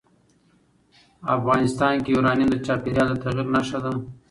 افغانستان کې یورانیم د چاپېریال د تغیر نښه ده.